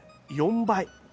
４倍。